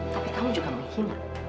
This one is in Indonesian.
tapi kamu juga menghina